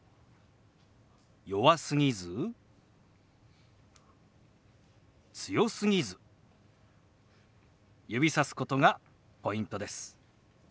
弱すぎず強すぎず指さすことがポイントです。